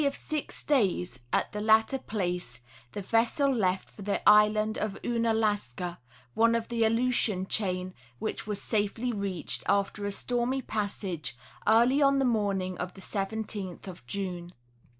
173 of six days at the latter place the vessel left for the island of Ounalaska, one of the Aleutian chain, which was safely reached, after a stormy passage, early on the morning of the 17th of June.